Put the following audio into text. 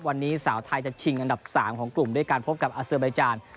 วันนี้สาวไทยจะชิงอันดับ๓ของกลุ่มด้วยการพบกับอาเซอร์ไบจาน